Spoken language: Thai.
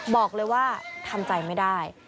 บอกเลยว่าทำใจไม่ได้